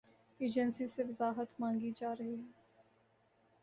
Agency سے وضاحت مانگی جا رہی ہے۔